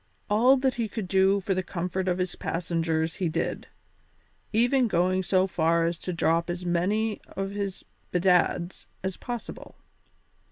All that he could do for the comfort of his passengers he did, even going so far as to drop as many of his "bedads" as possible.